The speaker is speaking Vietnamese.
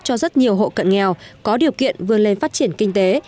cho rất nhiều hộ cận nghèo có điều kiện vươn lên phát triển kinh tế